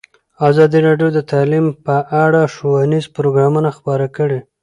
ازادي راډیو د تعلیم په اړه ښوونیز پروګرامونه خپاره کړي.